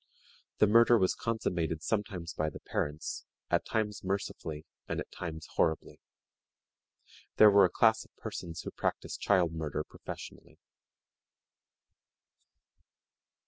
The murder was consummated sometimes by the parents, at times mercifully, and at times horribly. There were a class of persons who practiced child murder professionally.